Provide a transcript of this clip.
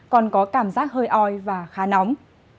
còn có cảm giác hơi oi và khá nóng